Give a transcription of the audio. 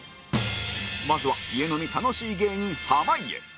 まずは家飲み楽しい芸人濱家